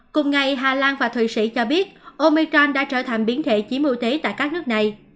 cùng ngày hà lan và thuỷ sĩ cho biết omicron đã trở thành biến thể chí mưu thế tại các nước này